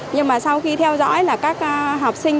nhưng mà sau khi theo dõi là các học sinh